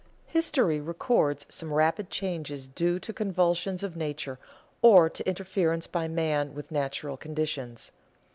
History records some rapid changes due to convulsions of nature or to interference by man with the natural conditions.